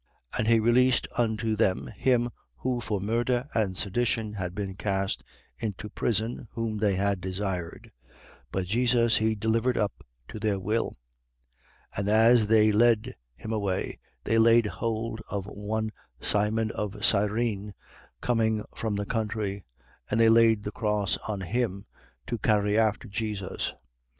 And he released unto them him who for murder and sedition had been cast into prison, whom they had desired. But Jesus he delivered up to their will. 23:26. And as they led him away, they laid hold of one Simon of Cyrene, coming from the country; and they laid the cross on him to carry after Jesus.